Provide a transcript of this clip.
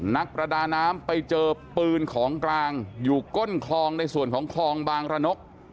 นักประดาน้ำไปเจอปืนของกลางอยู่ก้นคลองในส่วนของคลองบางระนก